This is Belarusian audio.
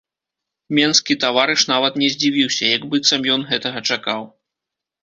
Менскі таварыш нават не задзівіўся, як быццам ён гэтага чакаў.